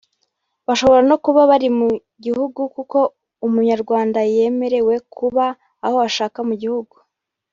bashobora no kuba bari mu gihugu kuko Umunyarwanda yemerewe kuba aho ashaka mu gihugu